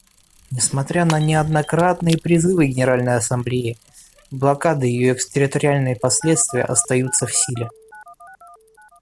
Несмотря на неоднократные призывы Генеральной Ассамблеи, блокада и ее экстерриториальные последствия остаются в силе.